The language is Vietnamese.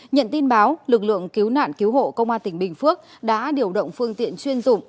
nhận tin báo lực lượng cứu nạn cứu hộ công an tỉnh bình phước đã điều động phương tiện chuyên dụng